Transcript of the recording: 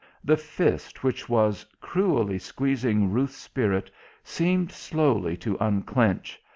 the fist which was cruelly squeezing Ruth's spirit seemed slowly to unclench